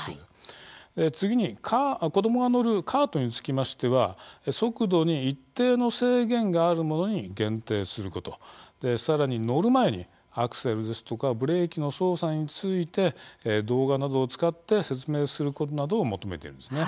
次に、子どもが乗るカートにつきましては速度に一定の制限があるものに限定することさらに乗る前にアクセルですとかブレーキの操作について動画などを使って説明することなどを求めているんです。